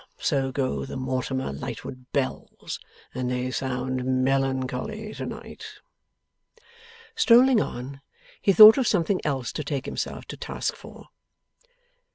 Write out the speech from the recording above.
So go the Mortimer Lightwood bells, and they sound melancholy to night.' Strolling on, he thought of something else to take himself to task for.